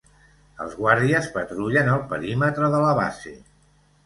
Els guàrdies patrullen el perímetre de la base.